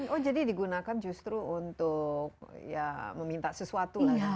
oh jadi digunakan justru untuk meminta sesuatu